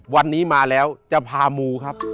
วันนี้มาแล้วจะพามูครับ